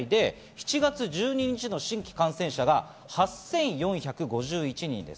７月１２日の新規感染者が８４５１人です。